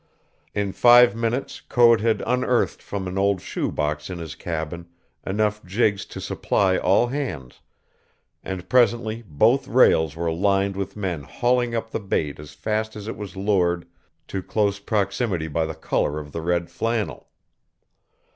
In five minutes Code had unearthed from an old shoe box in his cabin enough jigs to supply all hands, and presently both rails were lined with men hauling up the bait as fast as it was lured to close proximity by the color of the red flannel.